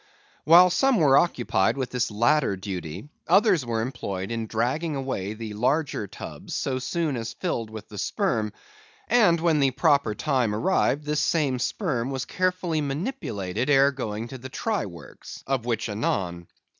While some were occupied with this latter duty, others were employed in dragging away the larger tubs, so soon as filled with the sperm; and when the proper time arrived, this same sperm was carefully manipulated ere going to the try works, of which anon.